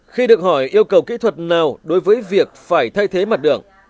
khi được hỏi yêu cầu kỹ thuật nào đối với việc phải thay thế mặt đường